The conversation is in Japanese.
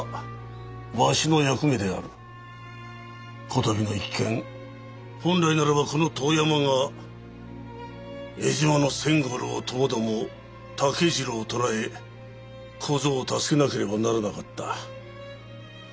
こたびの一件本来ならばこの遠山が江島の仙五郎ともども竹次郎を捕らえ小僧を助けなければならなかった。